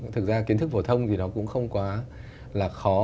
thực ra kiến thức phổ thông thì nó cũng không quá là khó